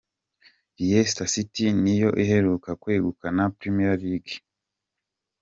Leicester City niyo iheruka kwegukana Premier League